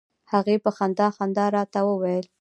هغې په خندا خندا راته وویل.